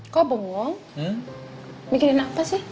kok bengong bikinin apa sih